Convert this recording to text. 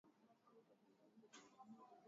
Leo kunanyesha sana